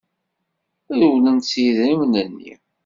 Rewlen s yidrimen-nni.